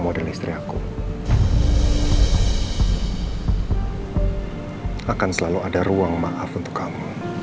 aku janji aku akan jadi istri yang lebih baik lagi buat kamu